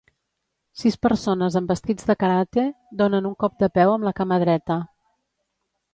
Sis persones amb vestits de karate donen un cop de peu amb la cama dreta.